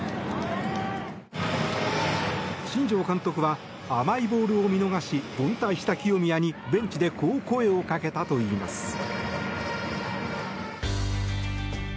新庄監督は甘いボールを見逃し凡退した清宮にベンチでこう声をかけたといいます。